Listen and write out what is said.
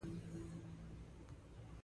فارسي ژبې سیمې وې.